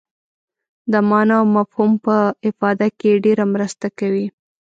د معنا او مفهوم په افاده کې ډېره مرسته کوي.